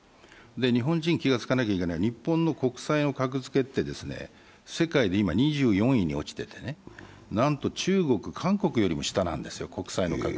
日本人は気がつかなければいけない、日本の国債の格付けは世界で今２４位に落ちててね、なんと中国、韓国よりも下なんですよ。